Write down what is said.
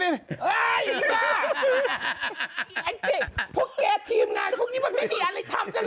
อ่าอีบ้าพวกเก๊ทีมงานพวกนี้มันไม่มีอะไรทำกันเหรอ